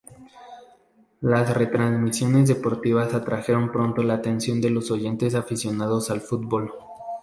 Las retransmisiones deportivas atrajeron pronto la atención de los oyentes aficionados al fútbol.